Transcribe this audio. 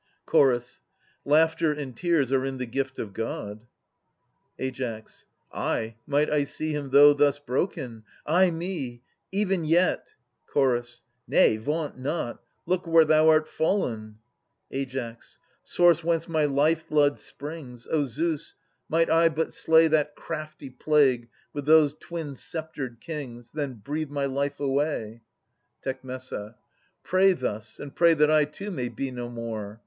Ch. Laughter and tears are in the gift of God. Ai. Ay, might I see him, though thus broken, — ay me ! Even yet — Ch. Nay, vaunt not. Look where thou art fallen. Ai. Source whence my life blood springs, O Zeus, might I but slay That crafty plague, with those twin sceptred kings, Then breathe my life away I Tec. Pray thus, and pray that I too be no more